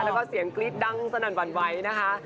แล้วก็เสียงกรี๊ดดังสนั่นหวั่นไหวนะคะ